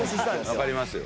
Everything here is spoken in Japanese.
わかりますよ。